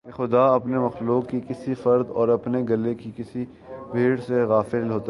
کہ خدا اپنی مخلوق کے کسی فرد اور اپنے گلے کی کسی بھیڑ سے غافل ہوتا ہے